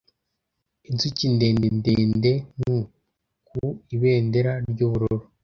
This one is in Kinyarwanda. Inzuki ndende ndende hum ku ibendera ryubururu